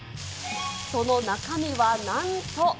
その中身は、なんと。